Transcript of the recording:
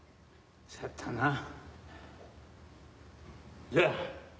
そやったな。